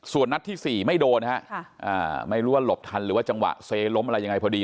ส่วนนัดที่๔ไม่โดนฮะไม่รู้ว่าหลบทันหรือว่าจังหวะเซล้มอะไรยังไงพอดี